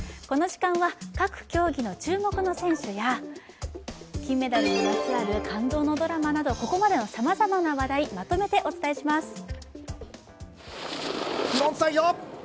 この時間は、各競技の注目の選手や金メダルにまつわる感動のドラマなど、ここまでのさまざまな話題、まとめてお伝えします。